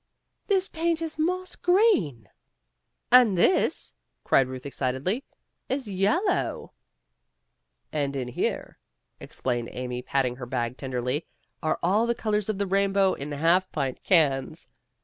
"This paint is moss green." "And this," cried Euth excitedly, "is yellow. '' "And in here," explained Amy, patting her bag tenderly, "are all the colors of the rain bow in half pint cans.